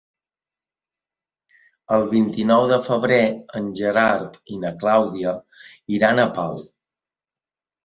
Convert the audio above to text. El vint-i-nou de febrer en Gerard i na Clàudia iran a Pau.